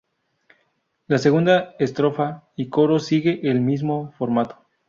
La segunda estrofa y coro siguen el mismo formato.